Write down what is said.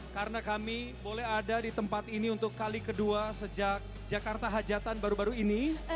karena kami boleh ada di tempat ini untuk kali kedua sejak jakarta hajatan baru baru ini